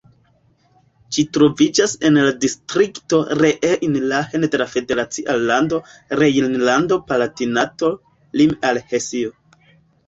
Ĝi troviĝas en la distrikto Rhein-Lahn de la federacia lando Rejnlando-Palatinato, lime al Hesio.